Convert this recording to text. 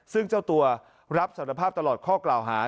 ซึ่งเจ้าตัวรับสารภาพตลอดข้อกล่าวหา